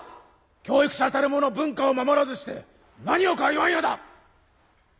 教育者たるもの文化を守らずして何をか言わんやだ！